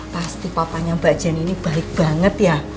pasti papanya mbak jenn ini baik banget ya